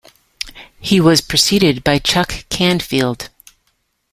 He was preceded by Chuck Canfield.